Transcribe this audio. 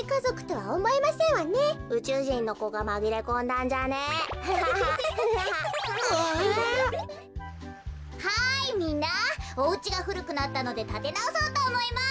はいみんなおうちがふるくなったのでたてなおそうとおもいます！